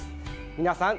皆さん